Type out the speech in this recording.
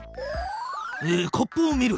コップを見る。